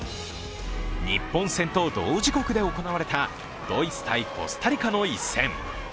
日本戦と同時刻で行われたドイツ×コスタリカの一戦。